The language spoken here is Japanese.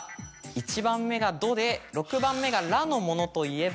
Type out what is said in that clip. １番目が「ど」で６番目が「ら」のものといえば？